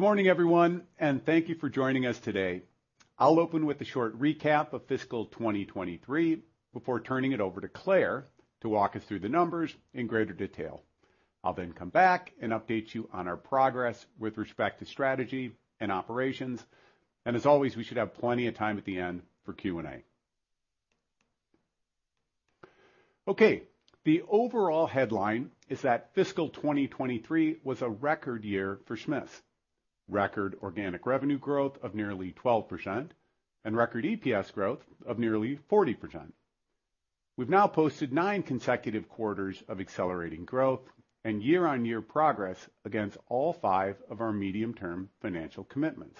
Good morning, everyone, and thank you for joining us today. I'll open with a short recap of fiscal 2023 before turning it over to Clare to walk us through the numbers in greater detail. I'll then come back and update you on our progress with respect to strategy and operations, and as always, we should have plenty of time at the end for Q&A. Okay. The overall headline is that fiscal 2023 was a record year for Smiths. Record organic revenue growth of nearly 12% and record EPS growth of nearly 40%. We've now posted 9 consecutive quarters of accelerating growth and year-on-year progress against all 5 of our medium-term financial commitments.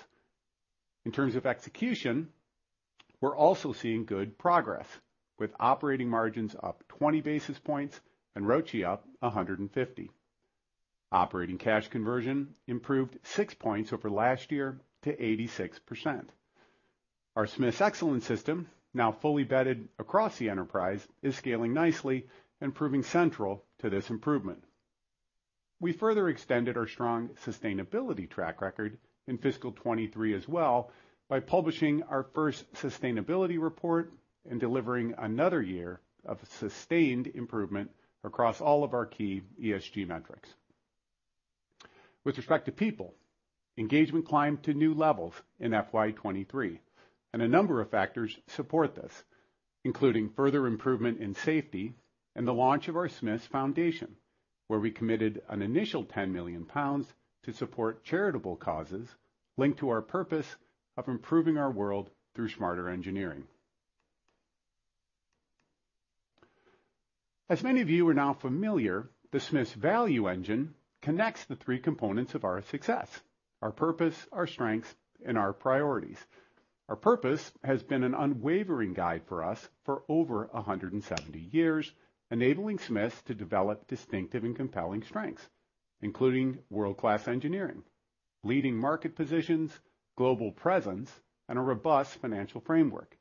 In terms of execution, we're also seeing good progress, with operating margins up 20 basis points and ROCE up 150. Operating cash conversion improved 6 points over last year to 86%. Our Smiths Excellence System, now fully bedded across the enterprise, is scaling nicely and proving central to this improvement. We further extended our strong sustainability track record in fiscal 2023 as well by publishing our first sustainability report and delivering another year of sustained improvement across all of our key ESG metrics. With respect to people, engagement climbed to new levels in FY 2023, and a number of factors support this, including further improvement in safety and the launch of our Smiths Foundation, where we committed an initial 10 million pounds to support charitable causes linked to our purpose of improving our world through smarter engineering. As many of you are now familiar, the Smiths Value Engine connects the three components of our success: our purpose, our strengths, and our priorities. Our purpose has been an unwavering guide for us for over 170 years, enabling Smiths to develop distinctive and compelling strengths, including world-class engineering, leading market positions, global presence, and a robust financial framework.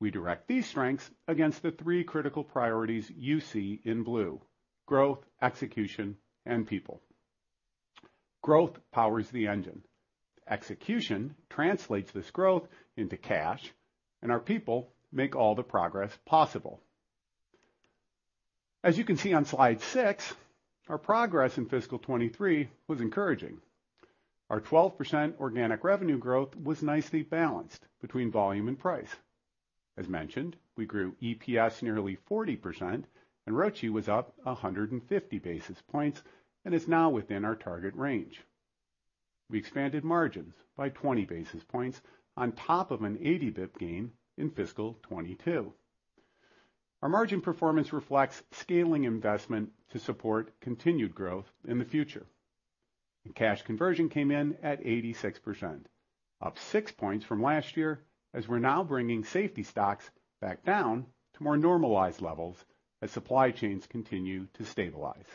We direct these strengths against the three critical priorities you see in blue: growth, execution, and people. Growth powers the engine. Execution translates this growth into cash, and our people make all the progress possible. As you can see on slide 6, our progress in fiscal 2023 was encouraging. Our 12% organic revenue growth was nicely balanced between volume and price. As mentioned, we grew EPS nearly 40%, and ROCE was up 150 basis points and is now within our target range. We expanded margins by 20 basis points on top of an 80 BPS gain in fiscal 2022. Our margin performance reflects scaling investment to support continued growth in the future, and cash conversion came in at 86%, up 6 points from last year, as we're now bringing safety stocks back down to more normalized levels as supply chains continue to stabilize.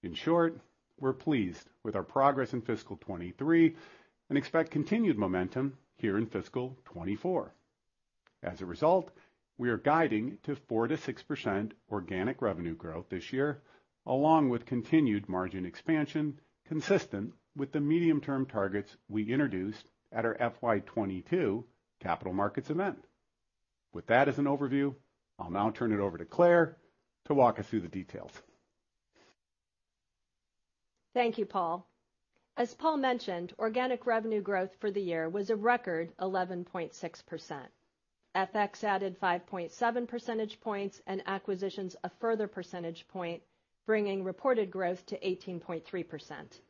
In short, we're pleased with our progress in fiscal 2023 and expect continued momentum here in fiscal 2024. As a result, we are guiding to 4%-6% organic revenue growth this year, along with continued margin expansion, consistent with the medium-term targets we introduced at our FY 2022 capital markets event. With that as an overview, I'll now turn it over to Clare to walk us through the details. Thank you, Paul. As Paul mentioned, organic revenue growth for the year was a record 11.6%. FX added 5.7 percentage points and acquisitions a further 1 percentage point, bringing reported growth to 18.3%.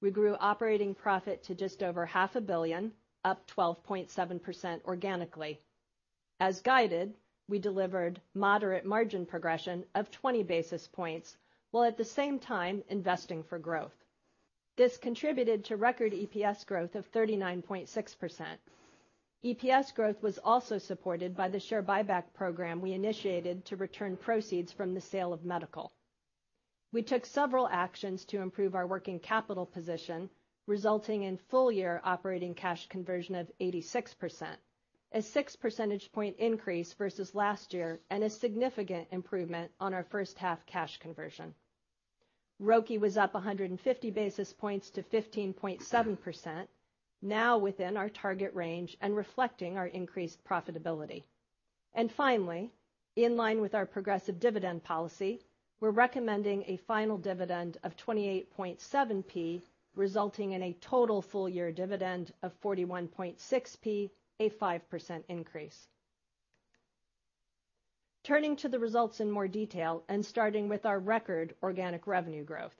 We grew operating profit to just over £500 million, up 12.7% organically. As guided, we delivered moderate margin progression of 20 basis points, while at the same time investing for growth. This contributed to record EPS growth of 39.6%. EPS growth was also supported by the share buyback program we initiated to return proceeds from the sale of Medical. We took several actions to improve our working capital position, resulting in full-year operating cash conversion of 86%, a 6 percentage point increase versus last year, and a significant improvement on our first half cash conversion. ROCE was up 150 basis points to 15.7%, now within our target range and reflecting our increased profitability. Finally, in line with our progressive dividend policy, we're recommending a final dividend of 0.287, resulting in a total full-year dividend of 0.416, a 5% increase. Turning to the results in more detail and starting with our record organic revenue growth,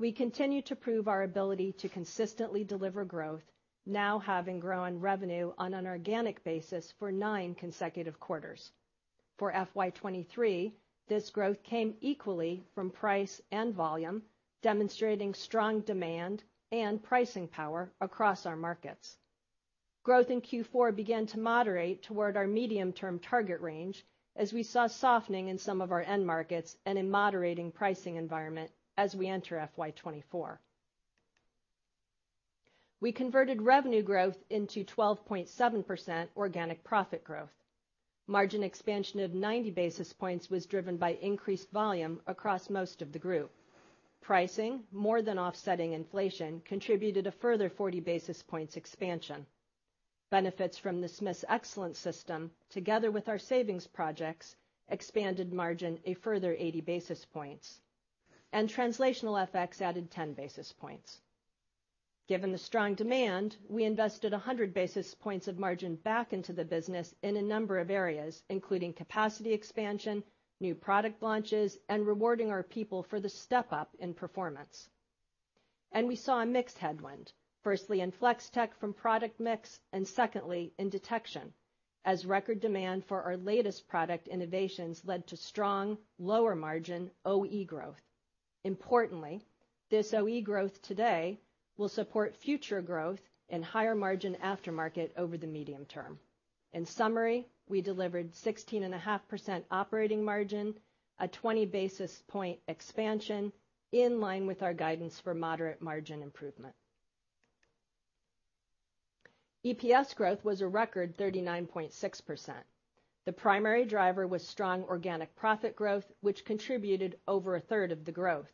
we continue to prove our ability to consistently deliver growth, now having grown revenue on an organic basis for nine consecutive quarters. For FY 2023, this growth came equally from price and volume, demonstrating strong demand and pricing power across our markets. Growth in Q4 began to moderate toward our medium-term target range as we saw softening in some of our end markets and in moderating pricing environment as we enter FY 2024. We converted revenue growth into 12.7% organic profit growth. Margin expansion of 90 basis points was driven by increased volume across most of the group. Pricing, more than offsetting inflation, contributed a further 40 basis points expansion. Benefits from the Smiths Excellence System, together with our savings projects, expanded margin a further 80 basis points, and translational FX added 10 basis points. Given the strong demand, we invested 100 basis points of margin back into the business in a number of areas, including capacity expansion, new product launches, and rewarding our people for the step up in performance. And we saw a mixed headwind, firstly in Flex-Tek from product mix, and secondly in detection, as record demand for our latest product innovations led to strong lower margin OE growth. Importantly, this OE growth today will support future growth in higher margin aftermarket over the medium term. In summary, we delivered 16.5% operating margin, a 20 basis points expansion, in line with our guidance for moderate margin improvement. EPS growth was a record 39.6%. The primary driver was strong organic profit growth, which contributed over a third of the growth.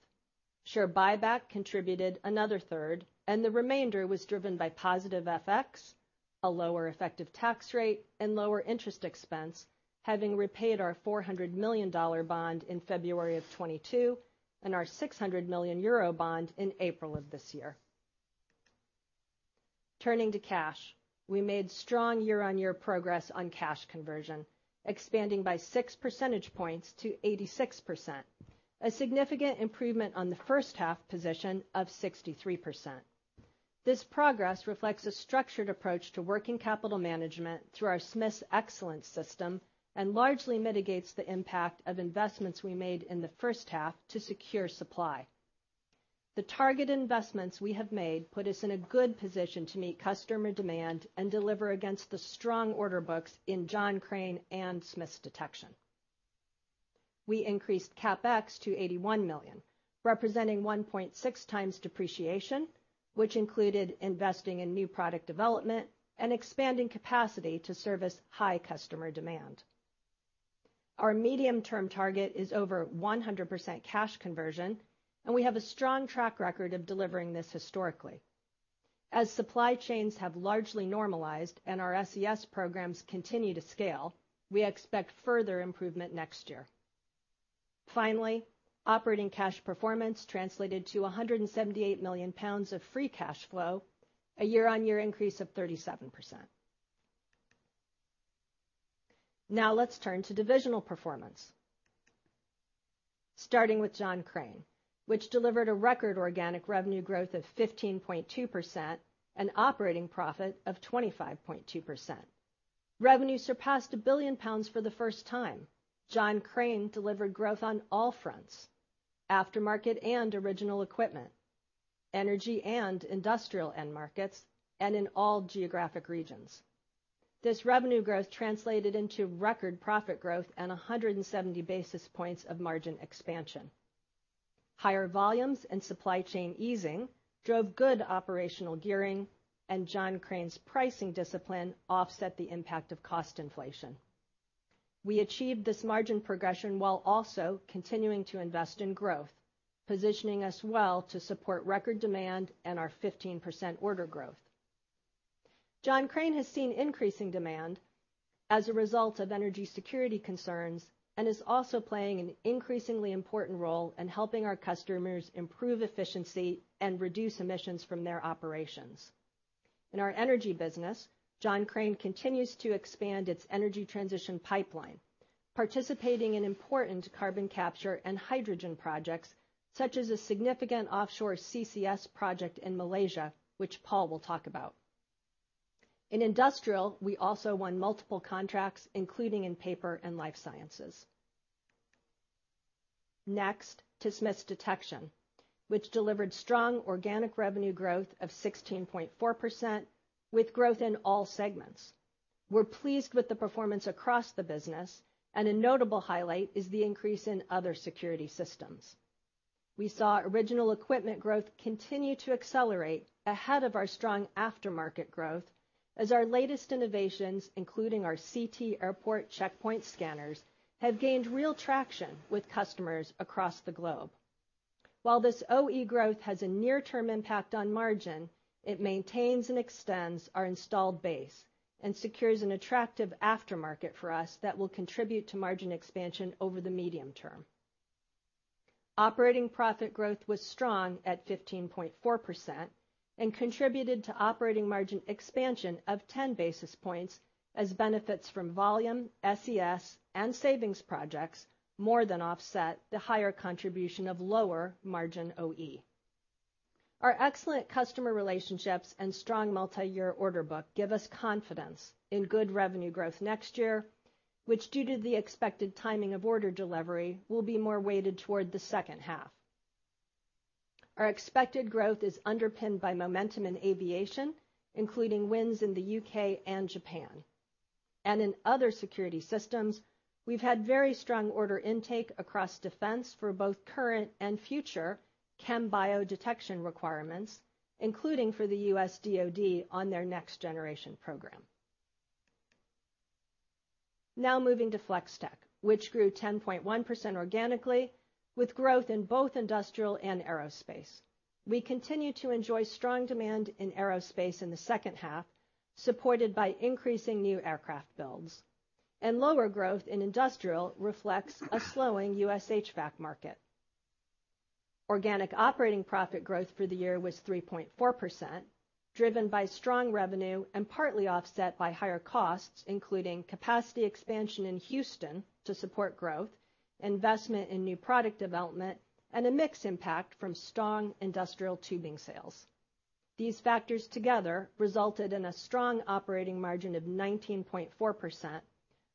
Share buyback contributed another third, and the remainder was driven by positive FX, a lower effective tax rate, and lower interest expense, having repaid our $400 million bond in February 2022, and our 600 million euro bond in April of this year. Turning to cash, we made strong year-on-year progress on cash conversion, expanding by 6 percentage points to 86%, a significant improvement on the first half position of 63%. This progress reflects a structured approach to working capital management through our Smiths Excellence System, and largely mitigates the impact of investments we made in the first half to secure supply. The target investments we have made put us in a good position to meet customer demand and deliver against the strong order books in John Crane and Smiths Detection. We increased CapEx to 81 million, representing 1.6 times depreciation, which included investing in new product development and expanding capacity to service high customer demand. Our medium-term target is over 100% cash conversion, and we have a strong track record of delivering this historically. As supply chains have largely normalized and our SES programs continue to scale, we expect further improvement next year. Finally, operating cash performance translated to 178 million pounds of free cash flow, a year-on-year increase of 37%. Now let's turn to divisional performance. Starting with John Crane, which delivered a record organic revenue growth of 15.2% and operating profit of 25.2%. Revenue surpassed 1 billion pounds for the first time. John Crane delivered growth on all fronts, aftermarket and original equipment, energy and industrial end markets, and in all geographic regions. This revenue growth translated into record profit growth and 170 basis points of margin expansion. Higher volumes and supply chain easing drove good operational gearing, and John Crane's pricing discipline offset the impact of cost inflation. We achieved this margin progression while also continuing to invest in growth, positioning us well to support record demand and our 15% order growth. John Crane has seen increasing demand as a result of energy security concerns, and is also playing an increasingly important role in helping our customers improve efficiency and reduce emissions from their operations. In our energy business, John Crane continues to expand its energy transition pipeline, participating in important carbon capture and hydrogen projects, such as a significant offshore CCS project in Malaysia, which Paul will talk about. In industrial, we also won multiple contracts, including in paper and life sciences. Next, to Smiths Detection, which delivered strong organic revenue growth of 16.4%, with growth in all segments. We're pleased with the performance across the business, and a notable highlight is the increase in other security systems. We saw original equipment growth continue to accelerate ahead of our strong aftermarket growth as our latest innovations, including our CT airport checkpoint scanners, have gained real traction with customers across the globe. While this OE growth has a near-term impact on margin, it maintains and extends our installed base and secures an attractive aftermarket for us that will contribute to margin expansion over the medium term. Operating profit growth was strong at 15.4% and contributed to operating margin expansion of ten basis points as benefits from volume, SES, and savings projects more than offset the higher contribution of lower margin OE. Our excellent customer relationships and strong multiyear order book give us confidence in good revenue growth next year, which, due to the expected timing of order delivery, will be more weighted toward the second half. Our expected growth is underpinned by momentum in aviation, including wins in the U.K. and Japan, and in other security systems, we've had very strong order intake across defense for both current and future chem bio detection requirements, including for the U.S. DOD on their next generation program. Now moving to Flex-Tek, which grew 10.1% organically, with growth in both industrial and aerospace. We continue to enjoy strong demand in aerospace in the second half, supported by increasing new aircraft builds. And lower growth in industrial reflects a slowing U.S. HVAC market. Organic operating profit growth for the year was 3.4%, driven by strong revenue and partly offset by higher costs, including capacity expansion in Houston to support growth, investment in new product development, and a mix impact from strong industrial tubing sales. These factors together resulted in a strong operating margin of 19.4%,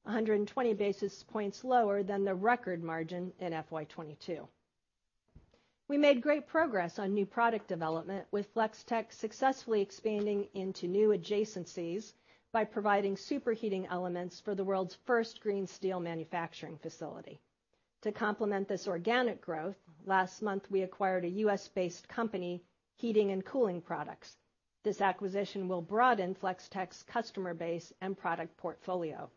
120 basis points lower than the record margin in FY 2022. We made great progress on new product development, with Flex-Tek successfully expanding into new adjacencies by providing superheating elements for the world's first green steel manufacturing facility. To complement this organic growth, last month, we acquired a U.S.-based company, Heating & Cooling Products. This acquisition will broaden Flex-Tek's customer base and product portfolio.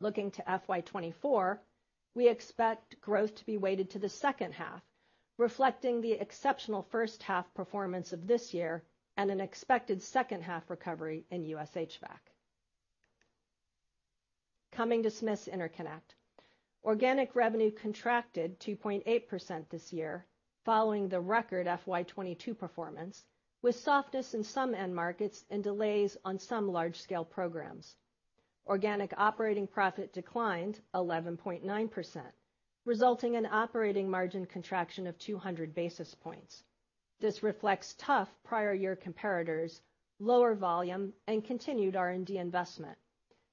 Looking to FY 2024, we expect growth to be weighted to the second half, reflecting the exceptional first half performance of this year and an expected second half recovery in U.S. HVAC. Coming to Smiths Interconnect. Organic revenue contracted 2.8% this year, following the record FY 2022 performance, with softness in some end markets and delays on some large-scale programs. Organic operating profit declined 11.9%, resulting in operating margin contraction of 200 basis points. This reflects tough prior year comparators, lower volume, and continued R&D investment.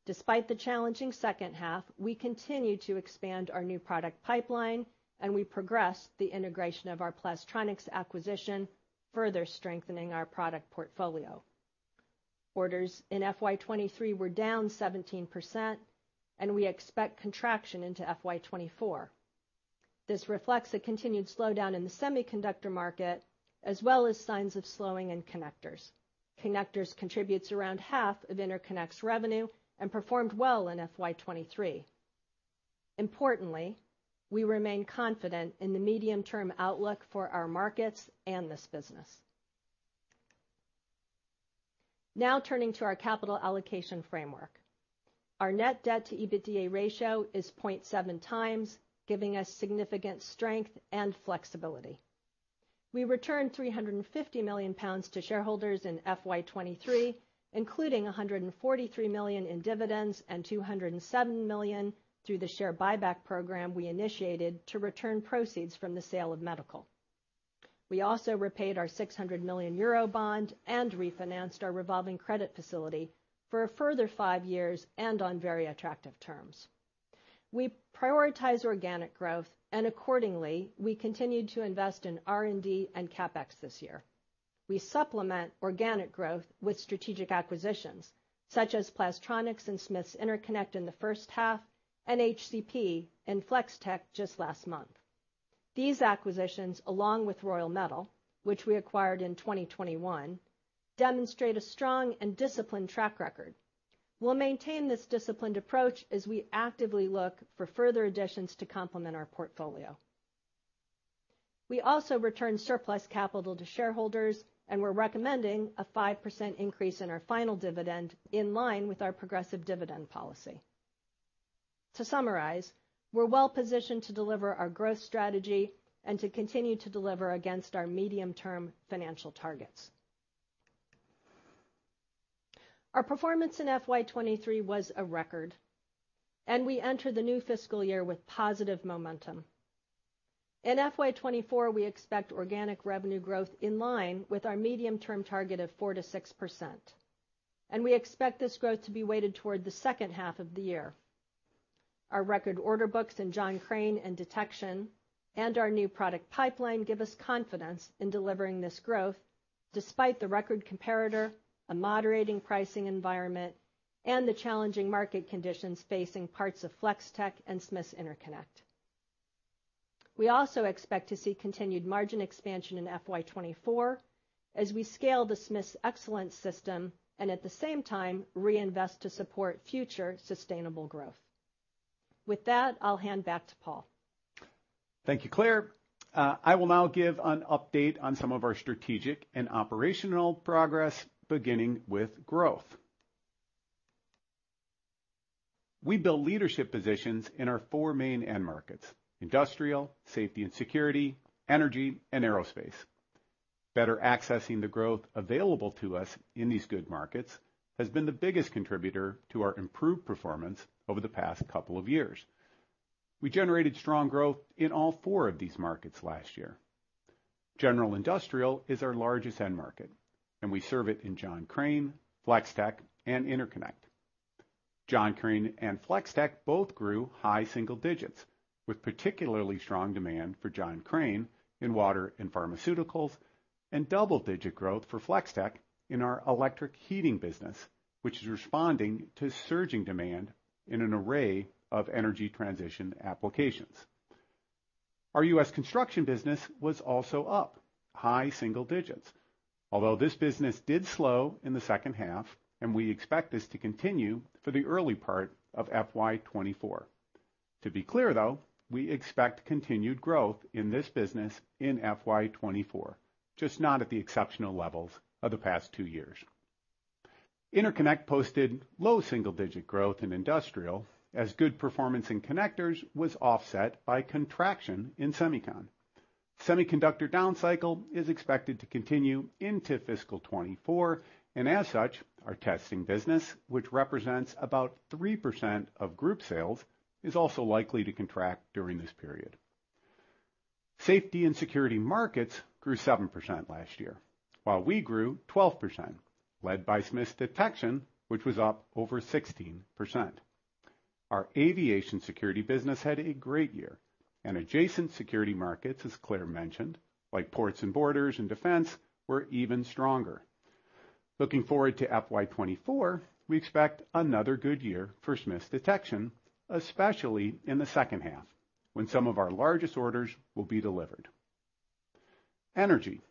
Despite the challenging second half, we continue to expand our new product pipeline, and we progressed the integration of our Plastronics acquisition, further strengthening our product portfolio. Orders in FY 2023 were down 17%, and we expect contraction into FY 2024. This reflects a continued slowdown in the semiconductor market, as well as signs of slowing in connectors. Connectors contributes around half of Interconnect's revenue and performed well in FY 2023. Importantly, we remain confident in the medium-term outlook for our markets and this business. Now turning to our capital allocation framework. Our net debt to EBITDA ratio is 0.7 times, giving us significant strength and flexibility. We returned 350 million pounds to shareholders in FY 2023, including 143 million in dividends and 207 million through the share buyback program we initiated to return proceeds from the sale of Medical. We also repaid our 600 million euro bond and refinanced our revolving credit facility for a further 5 years and on very attractive terms. We prioritize organic growth and accordingly, we continued to invest in R&D and CapEx this year. We supplement organic growth with strategic acquisitions such as Plastronics and Smiths Interconnect in the first half, and HCP and Flex-Tek just last month. These acquisitions, along with Royal Metal, which we acquired in 2021, demonstrate a strong and disciplined track record. We'll maintain this disciplined approach as we actively look for further additions to complement our portfolio. We also return surplus capital to shareholders, and we're recommending a 5% increase in our final dividend, in line with our progressive dividend policy. To summarize, we're well positioned to deliver our growth strategy and to continue to deliver against our medium-term financial targets. Our performance in FY 2023 was a record, and we entered the new fiscal year with positive momentum. In FY 2024, we expect organic revenue growth in line with our medium-term target of 4%-6%, and we expect this growth to be weighted toward the second half of the year. Our record order books in John Crane and Detection and our new product pipeline give us confidence in delivering this growth despite the record comparator, a moderating pricing environment, and the challenging market conditions facing parts of Flex-Tek and Smiths Interconnect. We also expect to see continued margin expansion in FY 2024 as we scale the Smiths Excellence System and at the same time reinvest to support future sustainable growth. With that, I'll hand back to Paul. Thank you, Clare. I will now give an update on some of our strategic and operational progress, beginning with growth. We build leadership positions in our four main end markets: industrial, safety and security, energy, and aerospace. Better accessing the growth available to us in these good markets has been the biggest contributor to our improved performance over the past couple of years. We generated strong growth in all four of these markets last year. General Industrial is our largest end market, and we serve it in John Crane, Flex-Tek, and Interconnect. John Crane and Flex-Tek both grew high single digits, with particularly strong demand for John Crane in water and pharmaceuticals and double-digit growth for Flex-Tek in our electric heating business, which is responding to surging demand in an array of energy transition applications. Our US construction business was also up high single digits, although this business did slow in the second half, and we expect this to continue for the early part of FY 2024. To be clear, though, we expect continued growth in this business in FY 2024, just not at the exceptional levels of the past two years. Interconnect posted low single-digit growth in industrial, as good performance in connectors was offset by contraction in semicon. Semiconductor down cycle is expected to continue into fiscal 2024, and as such, our testing business, which represents about 3% of group sales, is also likely to contract during this period. Safety and security markets grew 7% last year, while we grew 12%, led by Smiths Detection, which was up over 16%. Our aviation security business had a great year, and adjacent security markets, as Clare mentioned, like ports and borders and defense, were even stronger. Looking forward to FY 2024, we expect another good year for Smiths Detection, especially in the second half, when some of our largest orders will be delivered. Energy,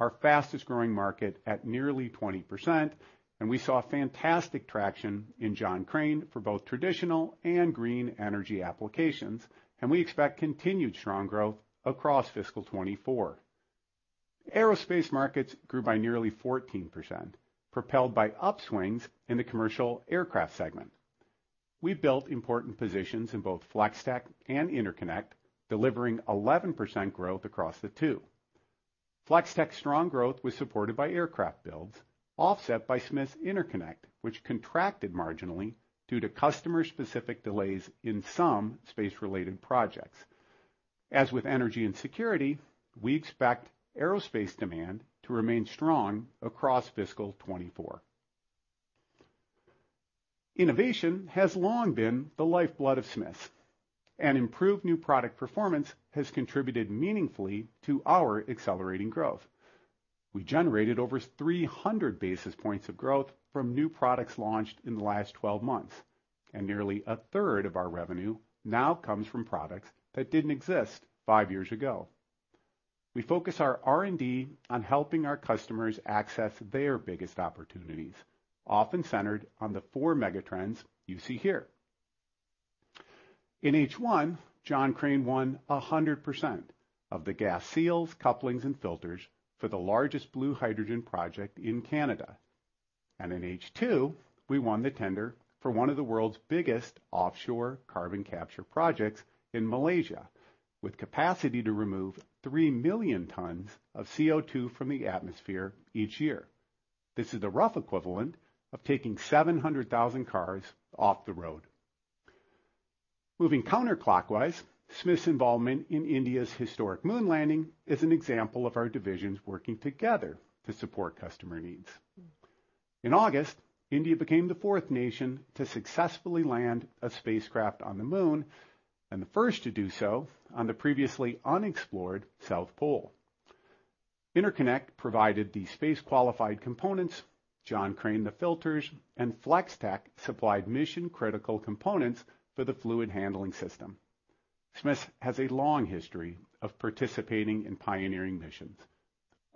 our fastest-growing market at nearly 20%, and we saw fantastic traction in John Crane for both traditional and green energy applications, and we expect continued strong growth across fiscal 2024. Aerospace markets grew by nearly 14%, propelled by upswings in the commercial aircraft segment. We built important positions in both Flex-Tek and Interconnect, delivering 11% growth across the two. Flex-Tek's strong growth was supported by aircraft builds, offset by Smiths Interconnect, which contracted marginally due to customer-specific delays in some space-related projects. As with energy and security, we expect aerospace demand to remain strong across fiscal 2024. Innovation has long been the lifeblood of Smiths, and improved new product performance has contributed meaningfully to our accelerating growth. We generated over 300 basis points of growth from new products launched in the last 12 months, and nearly a third of our revenue now comes from products that didn't exist five years ago. We focus our R&D on helping our customers access their biggest opportunities, often centered on the four megatrends you see here. In H1, John Crane won 100% of the gas seals, couplings, and filters for the largest blue hydrogen project in Canada. In H2, we won the tender for one of the world's biggest offshore carbon capture projects in Malaysia, with capacity to remove 3 million tons of CO2 from the atmosphere each year. This is the rough equivalent of taking 700,000 cars off the road. Moving counterclockwise, Smiths' involvement in India's historic moon landing is an example of our divisions working together to support customer needs. In August, India became the fourth nation to successfully land a spacecraft on the moon and the first to do so on the previously unexplored South Pole. Interconnect provided the space-qualified components, John Crane, the filters, and Flex-Tek supplied mission-critical components for the fluid handling system. Smiths has a long history of participating in pioneering missions.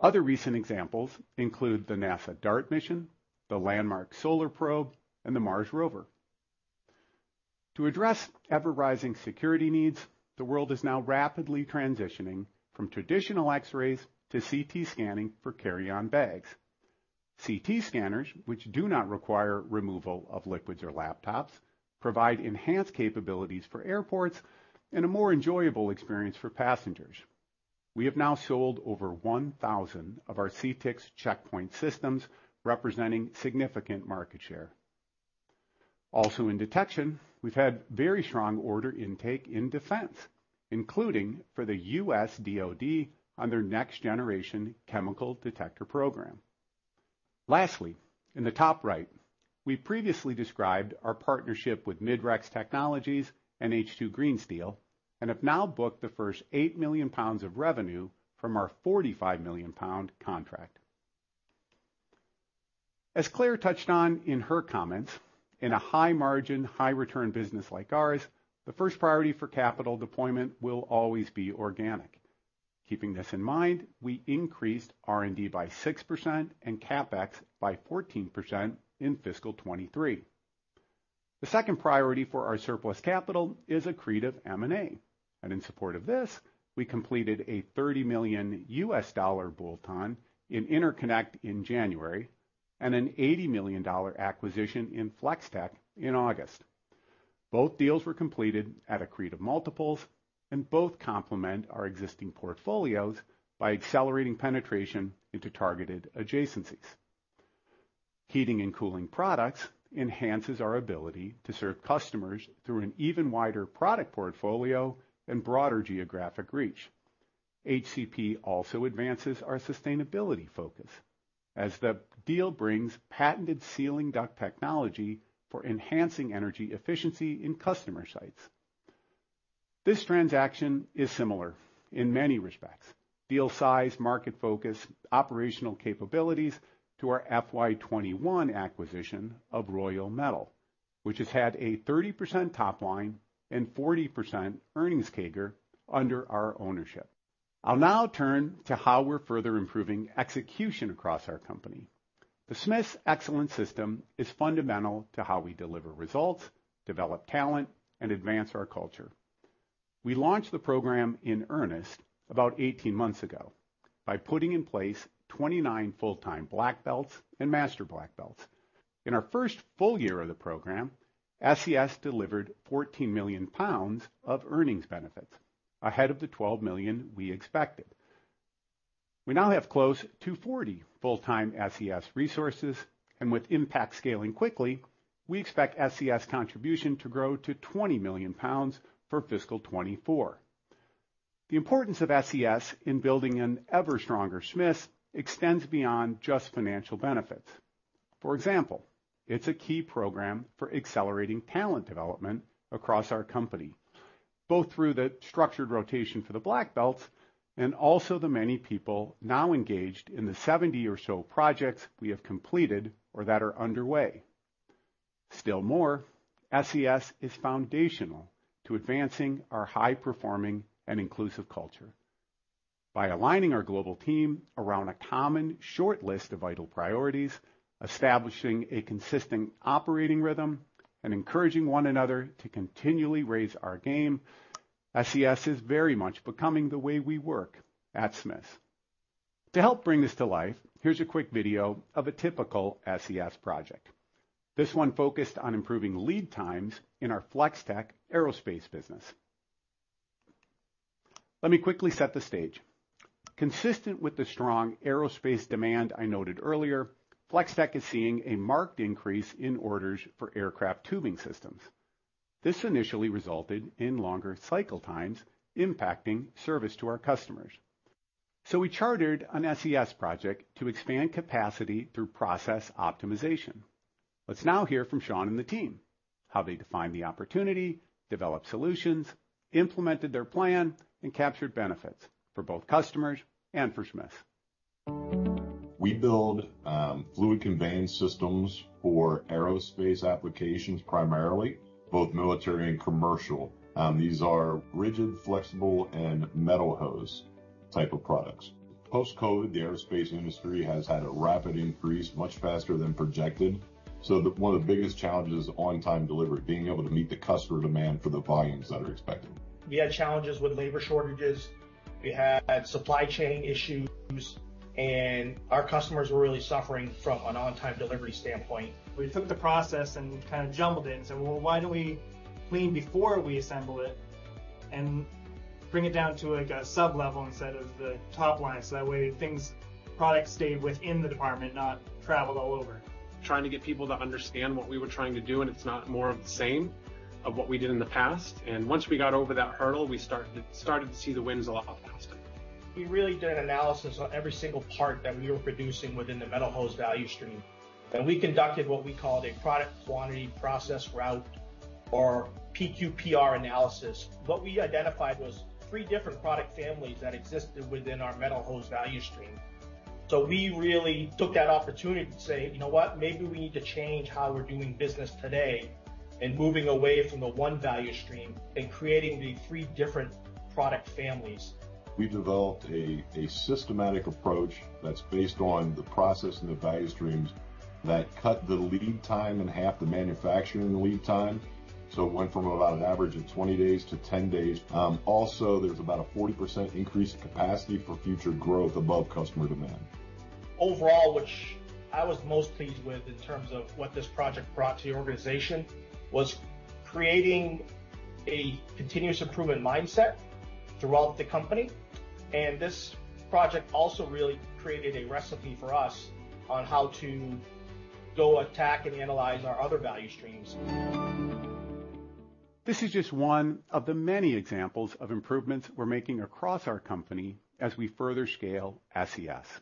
Other recent examples include the NASA DART mission, the landmark Solar Probe, and the Mars Rover. To address ever-rising security needs, the world is now rapidly transitioning from traditional X-rays to CT scanning for carry-on bags. CT scanners, which do not require removal of liquids or laptops, provide enhanced capabilities for airports and a more enjoyable experience for passengers. We have now sold over 1,000 of our CTiX checkpoint systems, representing significant market share. Also, in detection, we've had very strong order intake in defense, including for the U.S. DOD on their next-generation chemical detector program. Lastly, in the top right, we previously described our partnership with Midrex Technologies and H2 Green Steel, and have now booked the first 8 million pounds of revenue from our 45 million pound contract. As Clare touched on in her comments, in a high-margin, high-return business like ours, the first priority for capital deployment will always be organic. Keeping this in mind, we increased R&D by 6% and CapEx by 14% in fiscal 2023. The second priority for our surplus capital is accretive M&A, and in support of this, we completed a $30 million bolt-on in Interconnect in January and an $80 million acquisition in Flex-Tek in August. Both deals were completed at accretive multiples, and both complement our existing portfolios by accelerating penetration into targeted adjacencies. Heating & Cooling Products enhances our ability to serve customers through an even wider product portfolio and broader geographic reach. HCP also advances our sustainability focus as the deal brings patented ceiling duct technology for enhancing energy efficiency in customer sites. This transaction is similar in many respects: deal size, market focus, operational capabilities to our FY 2021 acquisition of Royal Metal, which has had a 30% top line and 40% earnings CAGR under our ownership. I'll now turn to how we're further improving execution across our company. The Smiths Excellence System is fundamental to how we deliver results, develop talent, and advance our culture. We launched the program in earnest about 18 months ago by putting in place 29 full-time black belts and master black belts. In our first full year of the program, SES delivered 14 million pounds of earnings benefits, ahead of the 12 million we expected. We now have close to 40 full-time SES resources, and with impact scaling quickly, we expect SES contribution to grow to 20 million pounds for fiscal 2024. The importance of SES in building an ever-stronger Smiths extends beyond just financial benefits. For example, it's a key program for accelerating talent development across our company, both through the structured rotation for the black belts and also the many people now engaged in the 70 or so projects we have completed or that are underway. Still more, SES is foundational to advancing our high-performing and inclusive culture. By aligning our global team around a common short list of vital priorities, establishing a consistent operating rhythm, and encouraging one another to continually raise our game, SES is very much becoming the way we work at Smiths. To help bring this to life, here's a quick video of a typical SES project. This one focused on improving lead times in our Flex-Tek Aerospace business. Let me quickly set the stage. Consistent with the strong aerospace demand I noted earlier, Flex-Tek is seeing a marked increase in orders for aircraft tubing systems. This initially resulted in longer cycle times impacting service to our customers. So we chartered an SES project to expand capacity through process optimization. Let's now hear from Sean and the team, how they defined the opportunity, developed solutions, implemented their plan, and captured benefits for both customers and for Smiths. We build fluid conveyance systems for aerospace applications primarily, both military and commercial. These are rigid, flexible, and metal hose type of products. Post-COVID, the aerospace industry has had a rapid increase, much faster than projected, so one of the biggest challenges is on-time delivery, being able to meet the customer demand for the volumes that are expected. We had challenges with labor shortages, we had supply chain issues, and our customers were really suffering from an on-time delivery standpoint. We took the process and kind of jumbled it and said, "Well, why don't we clean before we assemble it and bring it down to, like, a sub-level instead of the top line?" So that way, things, products, stayed within the department, not traveled all over. Trying to get people to understand what we were trying to do, and it's not more of the same of what we did in the past. Once we got over that hurdle, we started to see the wins a lot faster. We really did an analysis on every single part that we were producing within the metal hose value stream, and we conducted what we called a product quantity process route, or PQPR analysis. What we identified was three different product families that existed within our metal hose value stream. So we really took that opportunity to say, "You know what? Maybe we need to change how we're doing business today, and moving away from the one value stream and creating the three different product families. We developed a systematic approach that's based on the process and the value streams that cut the lead time in half, the manufacturing lead time. So it went from about an average of 20 days to 10 days. Also, there's about a 40% increase in capacity for future growth above customer demand. Overall, which I was most pleased with in terms of what this project brought to the organization, was creating a continuous improvement mindset throughout the company. This project also really created a recipe for us on how to go attack and analyze our other value streams. This is just one of the many examples of improvements we're making across our company as we further scale SES.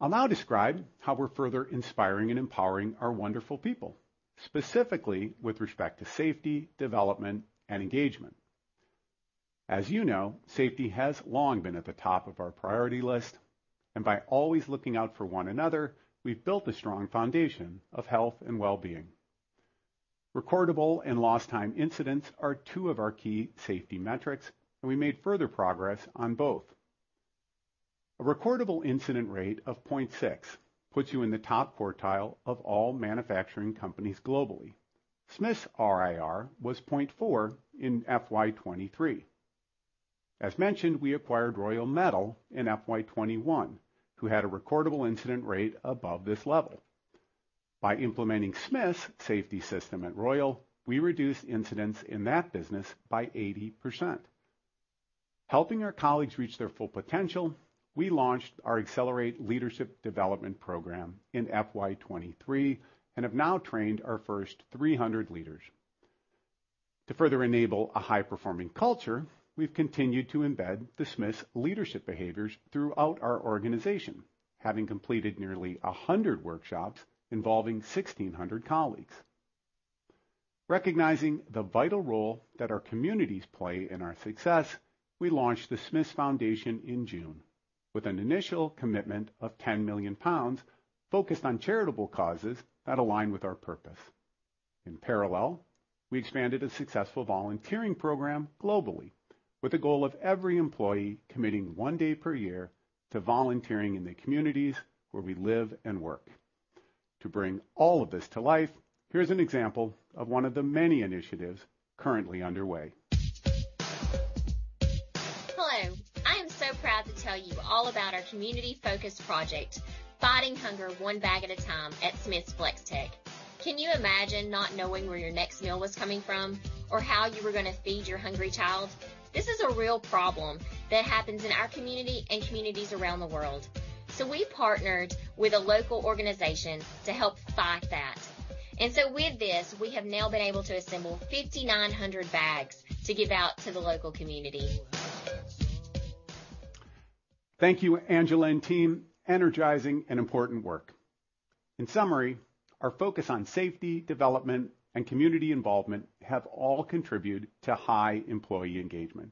I'll now describe how we're further inspiring and empowering our wonderful people, specifically with respect to safety, development, and engagement. As you know, safety has long been at the top of our priority list, and by always looking out for one another, we've built a strong foundation of health and well-being. Recordable and lost time incidents are two of our key safety metrics, and we made further progress on both. A recordable incident rate of 0.6 puts you in the top quartile of all manufacturing companies globally. Smiths' RIR was 0.4 in FY 2023. As mentioned, we acquired Royal Metal in FY 2021, who had a recordable incident rate above this level. By implementing Smiths Safety System at Royal, we reduced incidents in that business by 80%. Helping our colleagues reach their full potential, we launched our Accelerate Leadership Development Programme in FY 2023 and have now trained our first 300 leaders. To further enable a high-performing culture, we've continued to embed the Smiths leadership behaviors throughout our organization, having completed nearly 100 workshops involving 1,600 colleagues. Recognizing the vital role that our communities play in our success, we launched the Smiths Foundation in June, with an initial commitment of 10 million pounds focused on charitable causes that align with our purpose. In parallel, we expanded a successful volunteering program globally, with the goal of every employee committing one day per year to volunteering in the communities where we live and work. To bring all of this to life, here's an example of one of the many initiatives currently underway. Hello, I am so proud to tell you all about our community-focused project, Fighting Hunger One Bag at a Time at Smiths Flex-Tek. Can you imagine not knowing where your next meal was coming from or how you were going to feed your hungry child? This is a real problem that happens in our community and communities around the world. So we partnered with a local organization to help fight that. And so with this, we have now been able to assemble 5,900 bags to give out to the local community. Thank you, Angela and team. Energizing and important work. In summary, our focus on safety, development, and community involvement have all contributed to high employee engagement,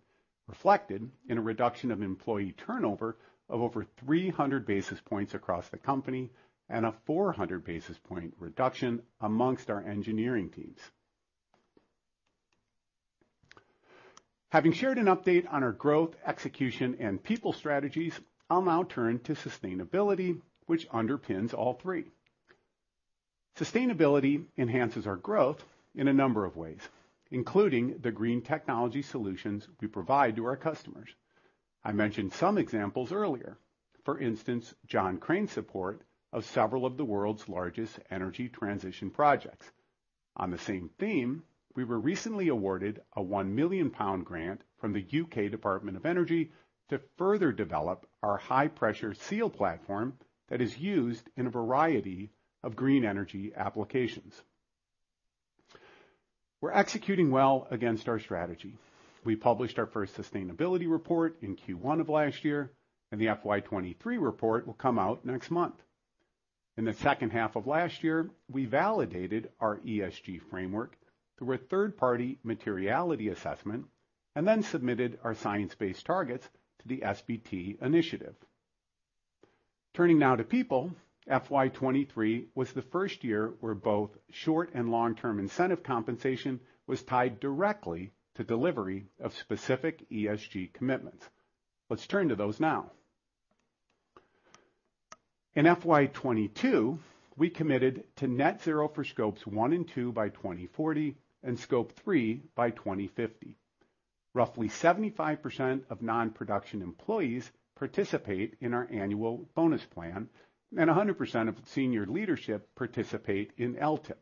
reflected in a reduction of employee turnover of over 300 basis points across the company and a 400 basis point reduction among our engineering teams. Having shared an update on our growth, execution, and people strategies, I'll now turn to sustainability, which underpins all three. Sustainability enhances our growth in a number of ways, including the green technology solutions we provide to our customers. I mentioned some examples earlier. For instance, John Crane support of several of the world's largest energy transition projects. On the same theme, we were recently awarded a 1 million pound grant from the U.K. Department of Energy to further develop our high-pressure seal platform that is used in a variety of green energy applications. We're executing well against our strategy. We published our first sustainability report in Q1 of last year, and the FY 2023 report will come out next month. In the second half of last year, we validated our ESG framework through a third-party materiality assessment and then submitted our science-based targets to the SBTi initiative. Turning now to people, FY 2023 was the first year where both short and long-term incentive compensation was tied directly to delivery of specific ESG commitments. Let's turn to those now. In FY 2022, we committed to net zero for Scope 1 and 2 by 2040 and Scope 3 by 2050. Roughly 75% of non-production employees participate in our annual bonus plan, and 100% of senior leadership participate in LTIP.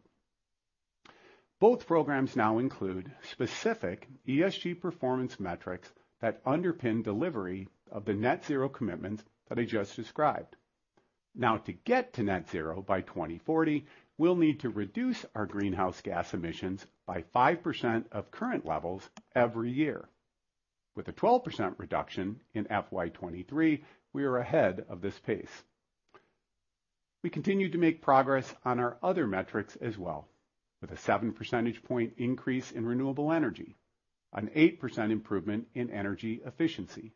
Both programs now include specific ESG performance metrics that underpin delivery of the net zero commitments that I just described. Now, to get to net zero by 2040, we'll need to reduce our greenhouse gas emissions by 5% of current levels every year. With a 12% reduction in FY 2023, we are ahead of this pace. We continue to make progress on our other metrics as well, with a 7 percentage point increase in renewable energy, an 8% improvement in energy efficiency,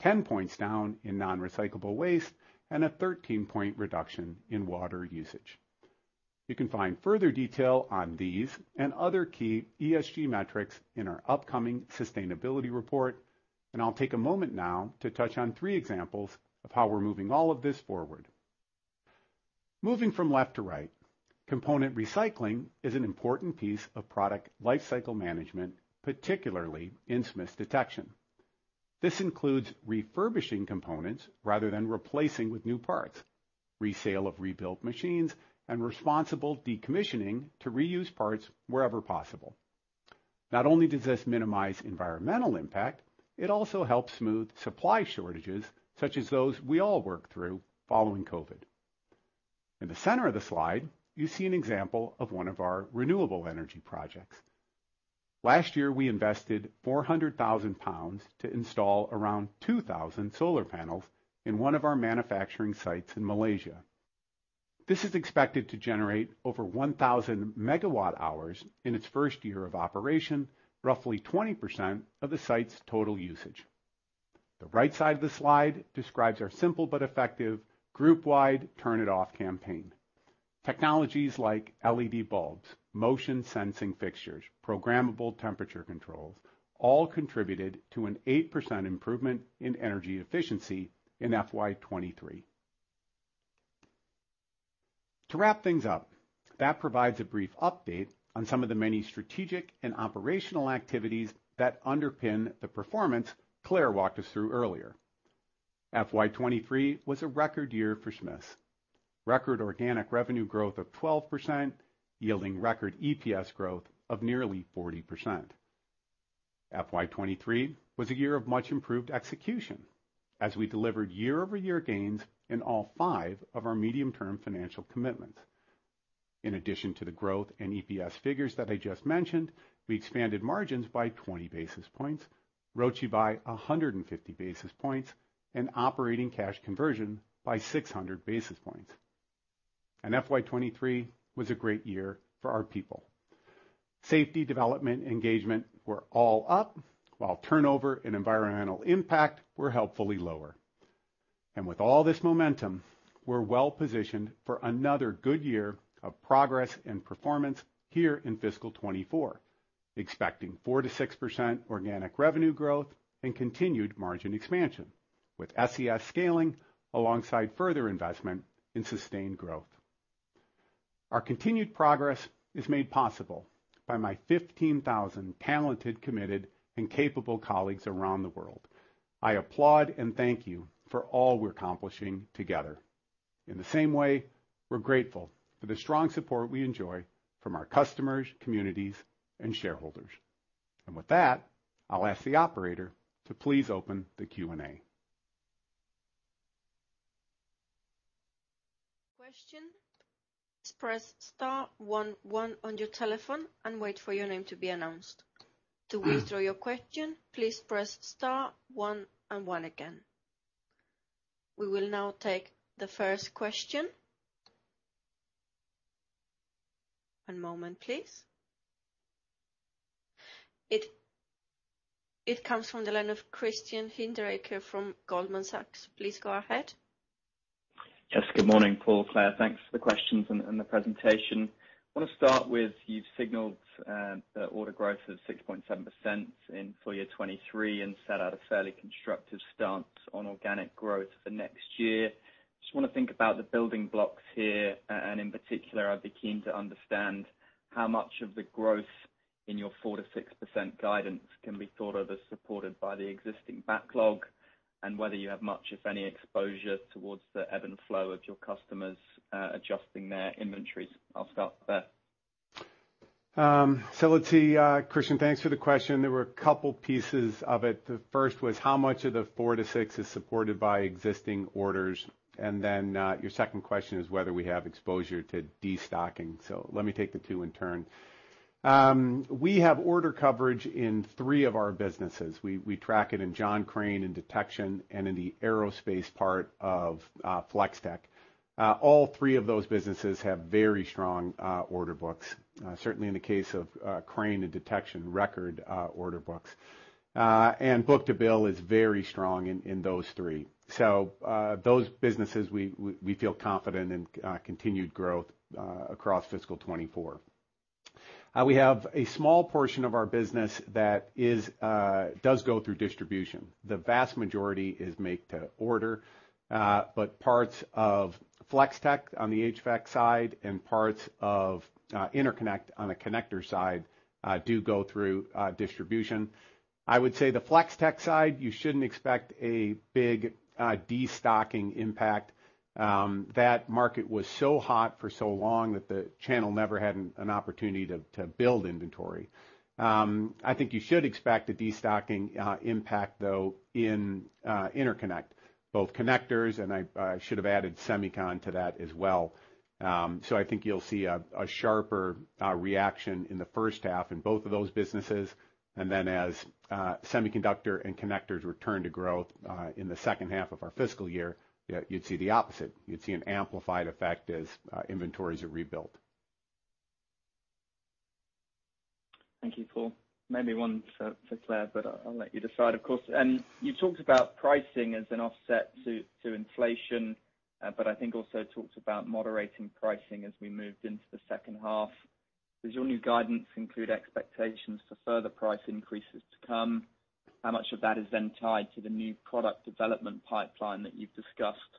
10 points down in non-recyclable waste, and a 13-point reduction in water usage. You can find further detail on these and other key ESG metrics in our upcoming sustainability report, and I'll take a moment now to touch on three examples of how we're moving all of this forward. Moving from left to right, component recycling is an important piece of product lifecycle management, particularly in Smiths Detection. This includes refurbishing components rather than replacing with new parts, resale of rebuilt machines, and responsible decommissioning to reuse parts wherever possible. Not only does this minimize environmental impact, it also helps smooth supply shortages, such as those we all worked through following COVID. In the center of the slide, you see an example of one of our renewable energy projects. Last year, we invested 400,000 pounds to install around 2,000 solar panels in one of our manufacturing sites in Malaysia. This is expected to generate over 1,000 MWh in its first year of operation, roughly 20% of the site's total usage. The right side of the slide describes our simple but effective group-wide Turn It Off campaign. Technologies like LED bulbs, motion-sensing fixtures, programmable temperature controls, all contributed to an 8% improvement in energy efficiency in FY 2023. To wrap things up, that provides a brief update on some of the many strategic and operational activities that underpin the performance Clare walked us through earlier. FY 2023 was a record year for Smiths. Record organic revenue growth of 12%, yielding record EPS growth of nearly 40%. FY 2023 was a year of much improved execution as we delivered year-over-year gains in all five of our medium-term financial commitments. In addition to the growth and EPS figures that I just mentioned, we expanded margins by 20 basis points, ROCE by 150 basis points, and operating cash conversion by 600 basis points. FY 2023 was a great year for our people. Safety, development, engagement were all up, while turnover and environmental impact were helpfully lower. With all this momentum, we're well positioned for another good year of progress and performance here in fiscal 2024, expecting 4%-6% organic revenue growth and continued margin expansion, with SES scaling alongside further investment in sustained growth. Our continued progress is made possible by my 15,000 talented, committed, and capable colleagues around the world. I applaud and thank you for all we're accomplishing together. In the same way, we're grateful for the strong support we enjoy from our customers, communities, and shareholders. With that, I'll ask the operator to please open the Q&A. Question. Please press star one one on your telephone and wait for your name to be announced. To withdraw your question, please press star one and one again. We will now take the first question. One moment, please. It comes from the line of Christian Hinderaker from Goldman Sachs. Please go ahead. Yes, good morning, Paul, Clare. Thanks for the questions and, and the presentation. I want to start with, you've signaled, that order growth is 6.7% in full year 2023 and set out a fairly constructive stance on organic growth for next year. Just want to think about the building blocks here, and in particular, I'd be keen to understand how much of the growth in your 4%-6% guidance can be thought of as supported by the existing backlog, and whether you have much, if any, exposure towards the ebb and flow of your customers, adjusting their inventories. I'll stop there. So let's see, Christian, thanks for the question. There were a couple pieces of it. The first was how much of the 4-6 is supported by existing orders, and then, your second question is whether we have exposure to destocking. So let me take the two in turn. We have order coverage in three of our businesses. We track it in John Crane, in Detection, and in the aerospace part of Flex-Tek. All three of those businesses have very strong order books. Certainly in the case of Crane and Detection, record order books. And book to bill is very strong in those three. So those businesses, we feel confident in continued growth across fiscal 2024. We have a small portion of our business that is, does go through distribution. The vast majority is make to order, but parts of Flex-Tek on the HVAC side and parts of, Interconnect on the connector side, do go through, distribution. I would say the Flex-Tek side, you shouldn't expect a big, destocking impact. That market was so hot for so long that the channel never had an opportunity to build inventory. I think you should expect a destocking, impact, though, in, Interconnect, both connectors, and I should have added semicon to that as well. So I think you'll see a sharper reaction in the first half in both of those businesses, and then as semiconductor and connectors return to growth in the second half of our fiscal year, you'd see the opposite. You'd see an amplified effect as inventories are rebuilt. Thank you, Paul. Maybe one for, for Clare, but I'll let you decide, of course. You talked about pricing as an offset to, to inflation, but I think also talked about moderating pricing as we moved into the second half. Does your new guidance include expectations for further price increases to come? How much of that is then tied to the new product development pipeline that you've discussed?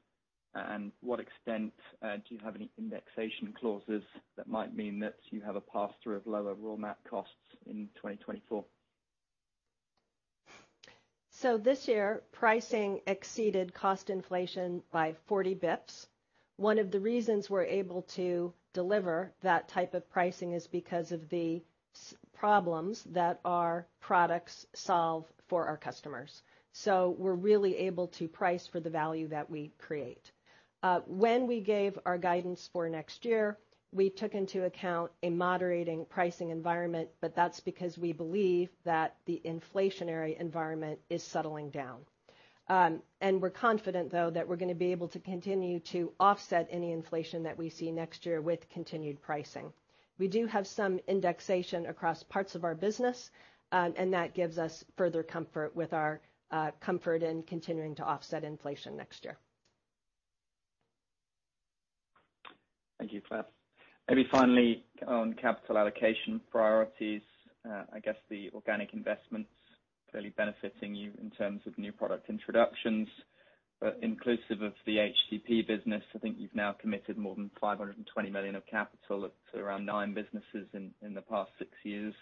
And what extent, do you have any indexation clauses that might mean that you have a pass-through of lower raw mat costs in 2024? So this year, pricing exceeded cost inflation by 40 basis points. One of the reasons we're able to deliver that type of pricing is because of the problems that our products solve for our customers. So we're really able to price for the value that we create. When we gave our guidance for next year, we took into account a moderating pricing environment, but that's because we believe that the inflationary environment is settling down. And we're confident, though, that we're going to be able to continue to offset any inflation that we see next year with continued pricing. We do have some indexation across parts of our business, and that gives us further comfort with our comfort in continuing to offset inflation next year. Thank you, Clare. Maybe finally, on capital allocation priorities, I guess the organic investments clearly benefiting you in terms of new product introductions, but inclusive of the HTP business, I think you've now committed more than 520 million of capital to around nine businesses in the past six years.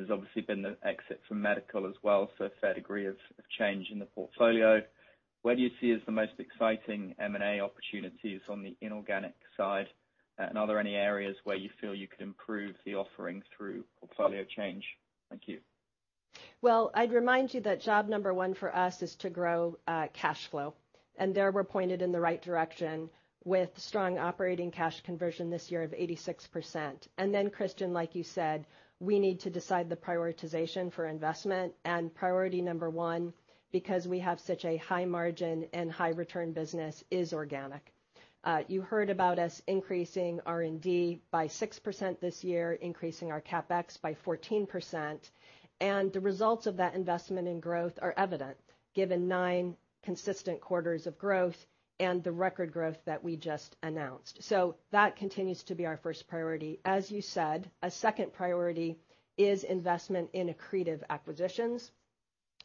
There's obviously been the exit from Medical as well, so a fair degree of change in the portfolio. Where do you see as the most exciting M&A opportunities on the inorganic side? And are there any areas where you feel you could improve the offering through portfolio change? Thank you. Well, I'd remind you that job number one for us is to grow cash flow, and there we're pointed in the right direction with strong operating cash conversion this year of 86%. And then, Christian, like you said, we need to decide the prioritization for investment. And priority number one, because we have such a high margin and high return business, is organic. You heard about us increasing R&D by 6% this year, increasing our CapEx by 14%, and the results of that investment in growth are evident, given 9 consistent quarters of growth and the record growth that we just announced. So that continues to be our first priority. As you said, a second priority is investment in accretive acquisitions.